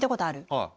はい。